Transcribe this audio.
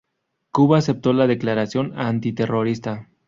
Cuba aceptó la declaración antiterrorista.